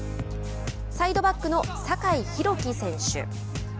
サイドバックの酒井宏樹選手。